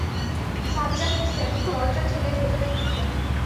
সাজ্জাদ হোসেন দরজা ঠেলে ভেতরে ঢুকলেন।